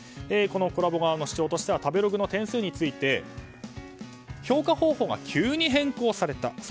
このＫｏｌｌａＢｏ側の主張としては食べログの点数について評価方法が急に変更された。